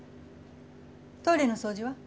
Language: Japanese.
トイレの掃除は？